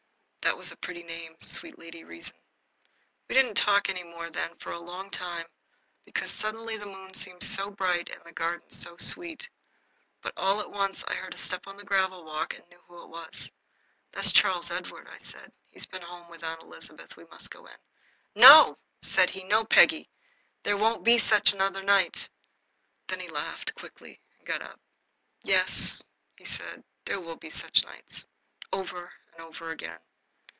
(That was a pretty name sweet Lady Reason.) We didn't talk any more then for a long time, because suddenly the moon seemed so bright and the garden so sweet. But all at once I heard a step on the gravel walk, and I knew who it was. "That's Charles Edward," I said. "He's been home with Aunt Elizabeth. We must go in." "No!" said he. "No, Peggy. There won't be such another night." Then he laughed quickly and got up. "Yes," he said, "there will be such nights over and over again.